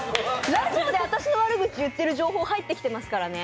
ラジオで私の悪口言ってる情報入ってきてますからね。